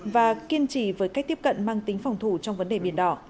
và kiên trì với cách tiếp cận mang tính phòng thủ trong vấn đề biển đỏ